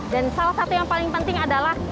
salah satu yang paling penting adalah